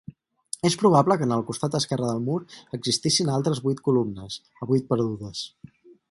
És probable que en el costat esquerre del mur existissin altres vuit columnes, avui perdudes.